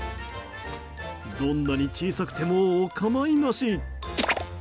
どんなに小さくてもお構いなし。